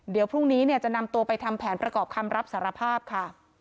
เดี๋ยวพรุ่งนี้เนี่ยจะนำตัวไปทำแผนประกอบคำรับสารภาพค่ะ